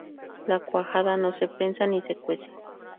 La cuajada no se prensa ni se cuece.